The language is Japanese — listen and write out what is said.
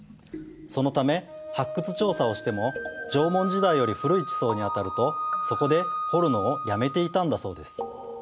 そのため発掘調査をしても縄文時代より古い地層に当たるとそこで掘るのをやめていたんだそうです。